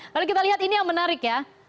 lalu kita lihat ini yang menarik ya